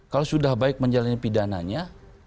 kalau sudah baik menjalani pidananya